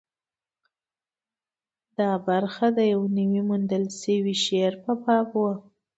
دا برخه د یوه نوي موندل شوي شعر په باب وه.